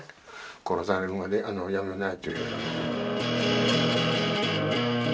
殺されるまでやめない。